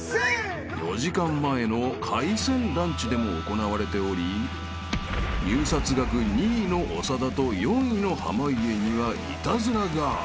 ［４時間前の海鮮ランチでも行われており入札額２位の長田と４位の濱家にはイタズラが］